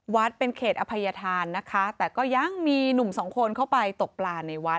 เป็นเขตอภัยธานนะคะแต่ก็ยังมีหนุ่มสองคนเข้าไปตกปลาในวัด